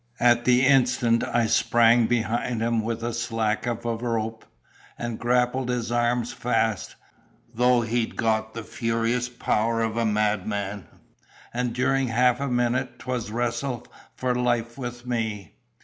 At the instant I sprang behind him with the slack of a rope, and grappled his arms fast, though he'd got the furious power of a madman; and during half a minute 'twas wrestle for life with me.